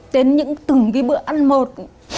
tới những từng cái bữa ăn một